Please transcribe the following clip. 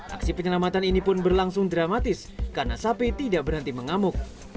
aksi penyelamatan ini pun berlangsung dramatis karena sapi tidak berhenti mengamuk